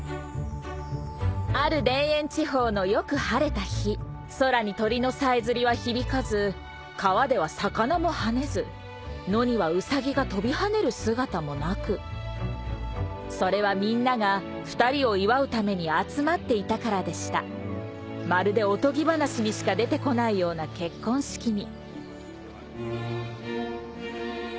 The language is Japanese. ある田園地方のよく晴れた日空に鳥のさえずりは響かず川では魚も跳ねず野にはウサギが飛び跳ねる姿もなくそれはみんなが２人を祝うために集まっていたからでしたまるでおとぎ話にしか出て来ないような結婚式に